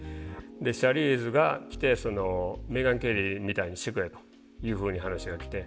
シャーリーズが来てメーガン・ケリーみたいにしてくれというふうに話が来て。